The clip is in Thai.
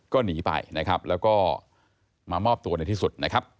ก็หนีไปแล้วก็มามอบตัวในที่สุด